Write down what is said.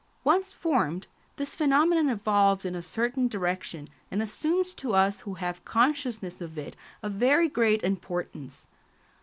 Once formed, this phenomenon evolves in a certain direction and assumes to us who have consciousness of it a very great importance.